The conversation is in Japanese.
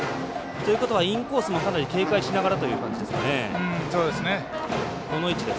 ということはインコースもかなり警戒しながらという感じですね。